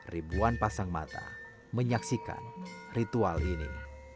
ribuan pasang mata menyaksikan ritual ini